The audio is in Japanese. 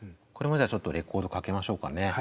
これもじゃあちょっとレコードかけましょうかね。